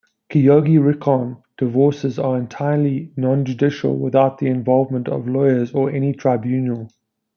"Kyogi rikon" divorces are entirely non-judicial without the involvement of lawyers or any tribunal.